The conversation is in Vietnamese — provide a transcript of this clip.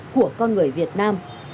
của con người việt nam